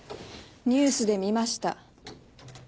ニュースで見ました。